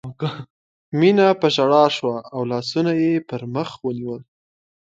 مينه په ژړا شوه او لاسونه یې پر مخ ونیول